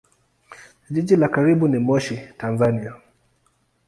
Jiji la karibu ni Moshi, Tanzania.